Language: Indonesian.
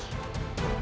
aku akan menangis